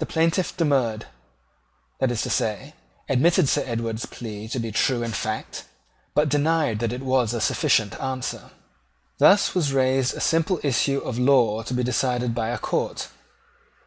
The plaintiff demurred, that is to say, admitted Sir Edward's plea to be true in fact, but denied that it was a sufficient answer. Thus was raised a simple issue of law to be decided by the court.